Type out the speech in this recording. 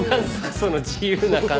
その自由な感じ。